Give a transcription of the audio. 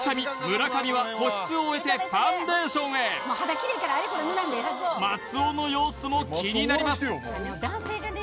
村上は保湿を終えてファンデーションへ松尾の様子も気になります